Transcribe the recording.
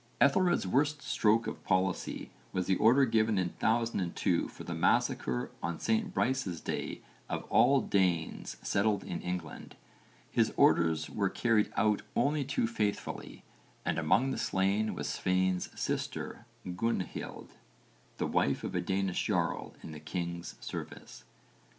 Ethelred's worst stroke of policy was the order given in 1002 for the massacre on St Brice's Day of all Danes settled in England. His orders were carried out only too faithfully and among the slain was Svein's sister Gunnhild, the wife of a Danish jarl in the king's service.